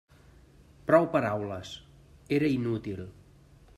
Prou paraules: era inútil.